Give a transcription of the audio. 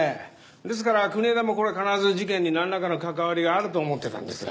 ですから国枝もこれ必ず事件になんらかの関わりがあると思ってたんですが。